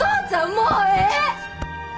もうええ！